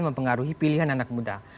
mempengaruhi pilihan anak muda